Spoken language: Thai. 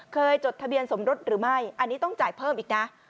จดทะเบียนสมรสหรือไม่อันนี้ต้องจ่ายเพิ่มอีกนะ